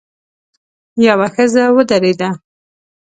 يوه ښځه ودرېده.